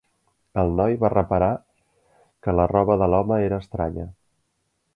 El noi va reparar que la roba de l'home era estranya.